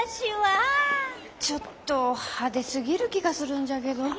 ちょっと派手すぎる気がするんじゃけど。